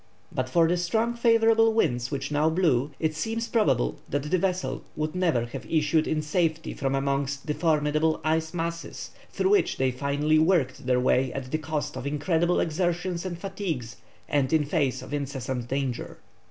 But for the strong favourable winds which now blew, it seems probable that the vessels would never have issued in safety from amongst the formidable ice masses through which they finally worked their way at the cost of incredible exertions and fatigues, and in face of incessant danger.